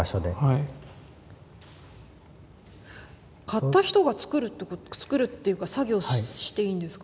買った人が作るっていうか作業していいんですか？